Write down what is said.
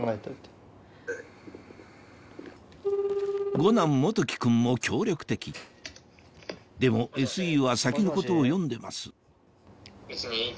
五男・元基君も協力的でもＳＥは先のことを読んでますん？